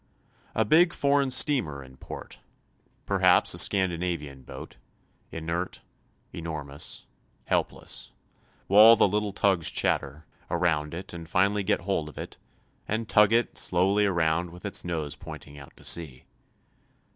A big foreign steamer in port, perhaps a Scandinavian boat, inert, enormous, helpless, while the little tugs chatter, around it and finally get hold of it, and tug it slowly around with its nose pointing out to sea.